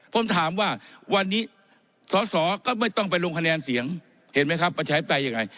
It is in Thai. ผมถามว่าวันนี้สอสอก็ไม่ต้องไปลงคะแนนเสียงเห็นไหมครับประชาธิปไตยยังไง